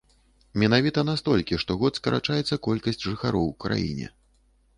Менавіта на столькі штогод скарачаецца колькасць жыхароў у краіне.